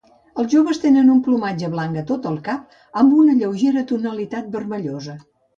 Els joves tenen un plomatge blanc a tot el cap, amb una lleugera tonalitat vermellosa.